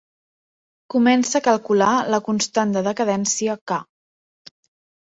Comença a calcular la constant de decadència "K".